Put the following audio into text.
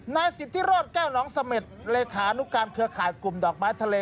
นายสิทธิโรธแก้วน้องเสม็ดเลขานุการเครือข่ายกลุ่มดอกไม้ทะเล